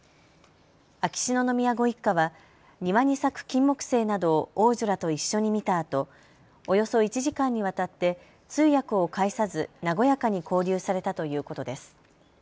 秋篠宮ご一家は庭に咲くキンモクセイなどを王女らと一緒に見たあとおよそ１時間にわたって通訳を介さず和やかに交流されたということです。